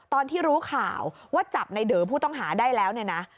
ตอนที่รู้ข่าวว่าจับในเดอผู้ต้องหาได้แล้วเนี่ยนะ